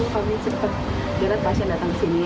kami cepat dia pasti datang ke sini